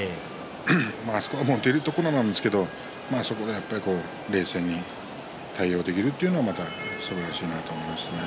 あそこは、もう出るところなんですけれどもそこで冷静に対応できるというのがすばらしいと思いますね。